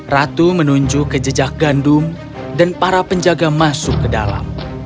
ratu menunjuk ke jejak gandum dan para penjaga masuk ke dalam